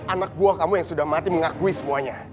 anak buah kamu yang sudah mati mengakui semuanya